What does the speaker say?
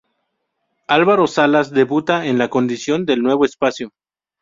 Álvaro Salas debuta en la conducción del nuevo espacio.